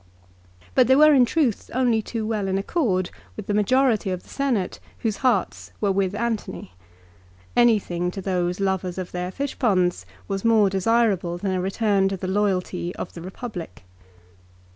But they were in truth only too well in accord with the majority of the Senate whose hearts were with Antony. Anything to those lovers of their fishponds was more desirable than a return to the loyalty of the Eepublic.